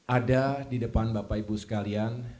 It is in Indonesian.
ada di depan bapak ibu sekalian